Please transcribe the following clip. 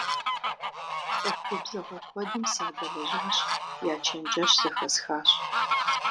ЦӀыху губзыгъэ куэдым садэлэжьащ, я чэнджэщ зэхэсхащ.